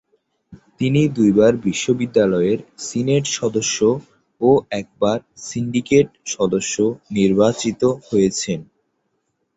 তিনি দুইবার বিশ্ববিদ্যালয়ের সিনেট সদস্য ও একবার সিন্ডিকেট সদস্য নির্বাচিত হয়েছেন।